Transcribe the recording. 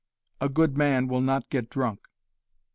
A good man will not get drunk.